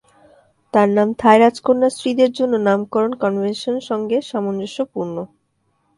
তার নাম থাই রাজকন্যার স্ত্রীদের জন্য নামকরণ কনভেনশন সঙ্গে সামঞ্জস্যপূর্ণ।